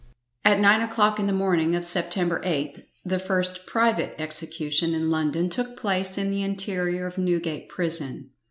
At nine o'clock in the morning of September 8th, the first private execution in London took place in the interior of Newgate Prison.